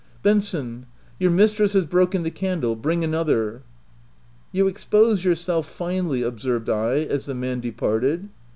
" Benson, your mistress has broken the can dle : bring another." " You expose yourself finely/' observed I as the man departed.